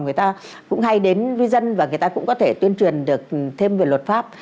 người ta cũng hay đến với vi dân và người ta cũng có thể tuyên truyền được thêm về luật pháp